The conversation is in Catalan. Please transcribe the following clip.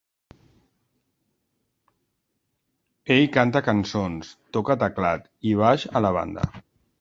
Ell canta cançons, toca teclat i baix a la banda.